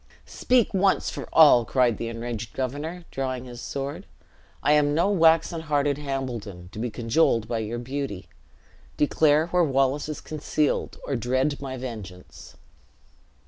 "Speak once for all!" cried the enraged governor, drawing his sword; "I am no waxen hearted Hambledon, to be cajoled by your beauty. Declare where Wallace is concealed, or dread my vengeance."